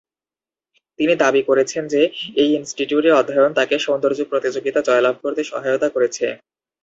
তিনি দাবি করেছেন যে এই ইনস্টিটিউটে অধ্যয়ন তাঁকে সৌন্দর্য প্রতিযোগিতা জয়লাভ করতে সহায়তা করেছে।